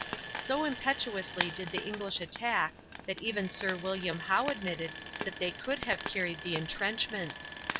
So impetuously did the English attack that even Sir William Howe admitted that they could have carried the intrenchments.